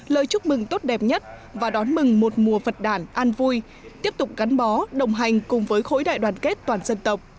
lời chúc mừng tốt đẹp nhất và đón mừng một mùa phật đản an vui tiếp tục gắn bó đồng hành cùng với khối đại đoàn kết toàn dân tộc